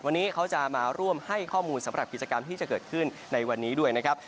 วันนี้เขาจะมาร่วมให้ข้อมูลสำหรับกิจกรรมที่จะเกิดขึ้นในวันนี้ด้วยนะครับ